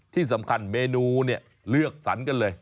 ที่สำคัญเมนูเนี่ยเลือกฝันกันเลย